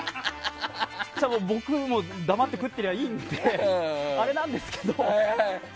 僕、黙って食ってればいいのであれなんですけど。